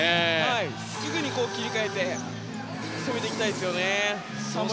すぐに切り替えて攻めていきたいですね。